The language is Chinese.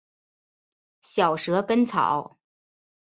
小蛇根草